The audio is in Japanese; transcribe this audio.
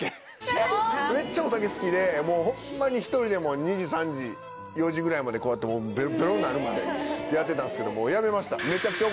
めっちゃお酒好きでホンマに１人でも２時３時４時ぐらいまでこうやってもうベロベロになるまでやってたんすけどもやめました。